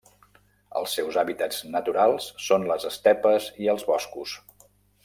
Els seus hàbitats naturals són les estepes i els boscos.